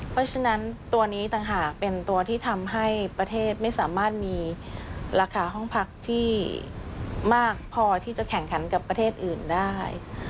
เพราะฉะนั้นตัวนี้ต่างหากเป็นตัวที่ทำให้ประเทศไม่สามารถมีราคาห้องพักที่มากพอที่จะแข่งขันกับประเทศอื่นได้